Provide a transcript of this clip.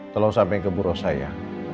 tolong sampai ke buruh saya